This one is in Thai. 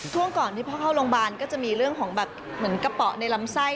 ช่วงก่อนที่พ่อเข้าโรงพยาบาลก็จะมีเรื่องของแบบเหมือนกระเป๋าในลำไส้